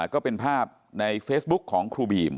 ก็เป็นภาพในเฟซบุ๊คของครูบีม